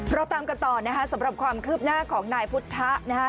เราตามกันต่อนะคะสำหรับความคืบหน้าของนายพุทธะนะฮะ